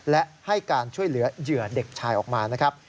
และให้การช่วยเหลือเหยื่อเด็กชายออกมานะครับ